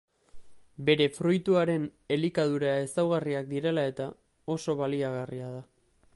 Bere fruituaren elikadura ezaugarriak direla eta oso baliagarria da.